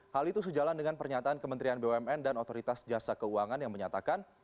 hal itu sejalan dengan pernyataan kementerian bumn dan otoritas jasa keuangan yang menyatakan